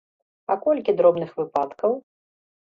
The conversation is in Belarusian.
А колькі дробных выпадкаў?